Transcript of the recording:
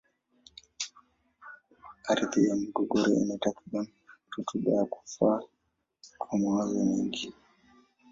Ardhi ya Morogoro ina takribani rutuba ya kufaa kwa mazao mengi.